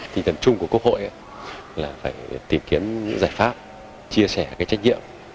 tình trạng chung của quốc hội là phải tìm kiếm những giải pháp chia sẻ trách nhiệm